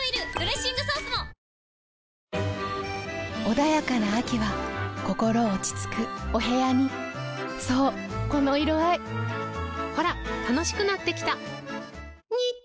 穏やかな秋は心落ち着くお部屋にそうこの色合いほら楽しくなってきた！